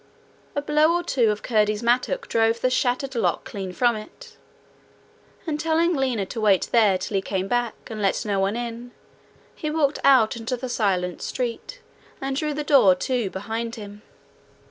A blow or two of Curdie's mattock drove the shattered lock clean from it, and telling Lina to wait there till he came back, and let no one in, he walked out into the silent street, and drew the door to behind them.